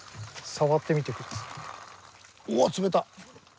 触ってみて下さい。